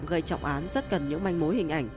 gây trọng án rất cần những manh mối hình ảnh